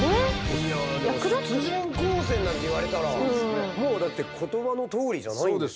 いやでも殺人光線なんて言われたらもうだって言葉のとおりじゃないんですか？